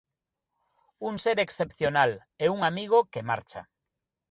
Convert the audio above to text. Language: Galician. Un ser excepcional e un amigo que marcha.